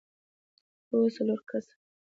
هو، څلور کسه!